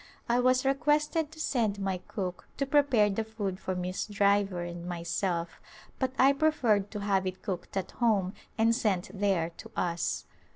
I was requested to send my cook to prepare the food for Miss Driver and myself but I preferred to have it cooked at home and sent there to us.